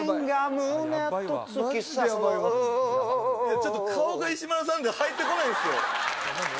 ちょっと、顔が石丸さんじゃ入ってこないんすよ。